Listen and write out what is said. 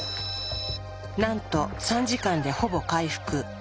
なんと３時間でほぼ回復。